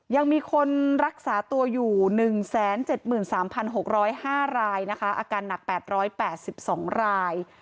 ยังมีคนรักษาตัวอยู่๑๗๓๖๐๕รายนะคะอาการหนัก๘๘๒ราย